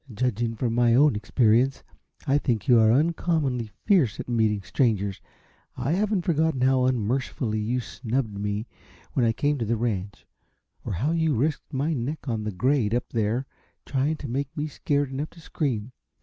"Judging from my own experience, I think you are uncommonly fierce at meeting strangers. I haven't forgotten how unmercifully you snubbed me when I came to the ranch, or how you risked my neck on the grade, up there, trying to make me scared enough to scream.